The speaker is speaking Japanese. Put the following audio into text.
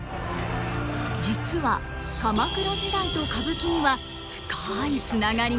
実は鎌倉時代と歌舞伎には深いつながりが。